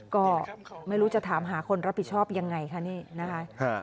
ก็ไม่รู้จะถามหาคนรับผิดชอบยังไงคะนี่นะคะ